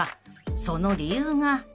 ［その理由が］